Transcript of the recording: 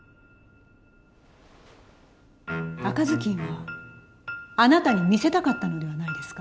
赤ずきんはあなたに見せたかったのではないですか？